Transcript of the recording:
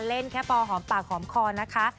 เล่นแค่ปอหอมปากหอมคอนะคะ